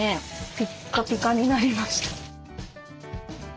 ピッカピカになりました。